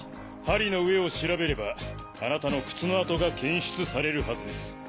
針の上を調べればあなたの靴の跡が検出されるはずです。